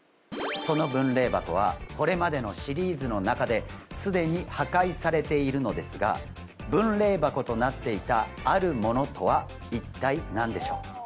その分霊箱はこれまでのシリーズの中ですでに破壊されているのですが分霊箱となっていたあるものとは一体何でしょう？